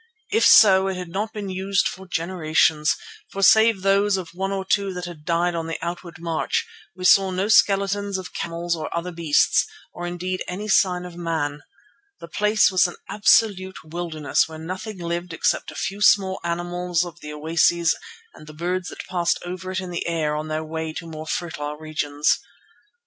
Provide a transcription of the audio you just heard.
If so, it had not been used for generations, for save those of one or two that had died on the outward march, we saw no skeletons of camels or other beasts, or indeed any sign of man. The place was an absolute wilderness where nothing lived except a few small mammals at the oases and the birds that passed over it in the air on their way to more fertile regions.